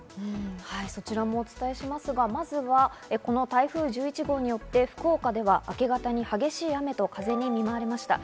そちらもお伝えしますが、まずはこの台風１１号によって福岡では明け方に激しい雨と風に見舞われました。